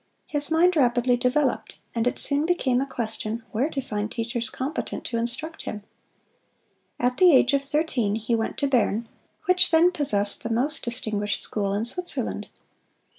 His mind rapidly developed, and it soon became a question where to find teachers competent to instruct him. At the age of thirteen he went to Bern, which then possessed the most distinguished school in Switzerland.